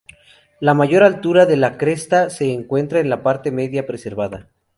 La mayor altura de la cresta se encuentra en la parte media preservada.